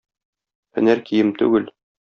Һөнәр кием түгел.